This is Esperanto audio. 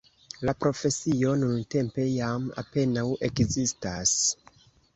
La profesio nuntempe jam apenaŭ ekzistas.